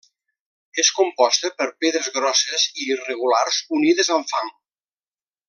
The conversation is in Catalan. És composta per pedres grosses i irregulars unides amb fang.